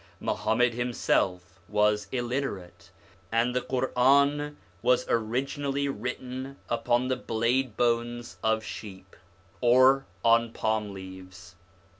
Muhammad himself was illiterate, and the Quran was originally written upon the bladebones of sheep, or on palm leaves.